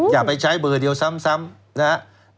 อย่าไปใช้เบอร์เดียวซ้ำนะครับ